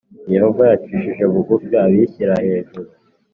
Yehova yacishije bugufi abishyira hejuru